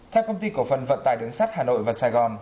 theo công ty cổ phần vận tải đường sắt hà nội và sài gòn